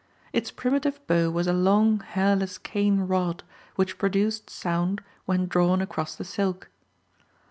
Its primitive bow was a long hairless cane rod which produced sound when drawn across the silk.